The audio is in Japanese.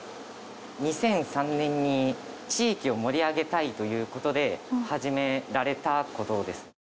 ２００３年に地域を盛り上げたいということで始められたことです